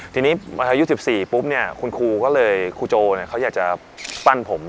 ทีนี้พออายุ๑๔ปุ๊บเนี่ยคุณครูก็เลยครูโจเขาอยากจะปั้นผม